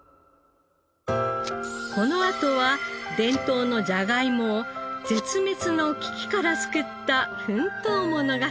このあとは伝統のじゃがいもを絶滅の危機から救った奮闘物語。